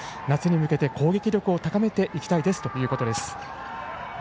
夏に向けて攻撃力を高めていきたいということです。